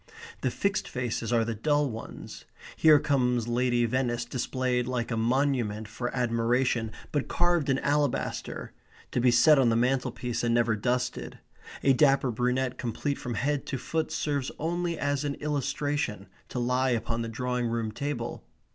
The fixed faces are the dull ones. Here comes Lady Venice displayed like a monument for admiration, but carved in alabaster, to be set on the mantelpiece and never dusted. A dapper brunette complete from head to foot serves only as an illustration to lie upon the drawing room table.